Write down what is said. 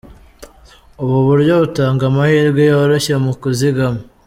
Ubu buryo butanga amahirwe yoroshye mu kuzigama.